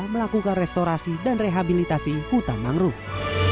melakukan restorasi dan rehabilitasi hutan mangrove